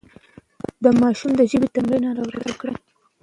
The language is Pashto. د ماشوم د ژبې تمرين هره ورځ وکړئ.